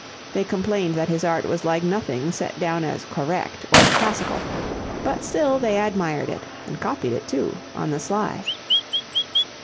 They complained that his art was like nothing set down as "correct" or "classical" but still they admired it and copied it, too, on the sly.